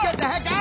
あ！